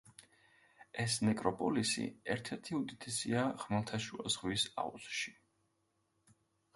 ეს ნეკროპოლისი ერთ-ერთი უდიდესია ხმელთაშუა ზღვის აუზში.